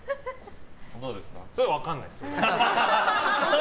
それは分からないです。